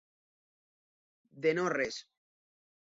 De no res.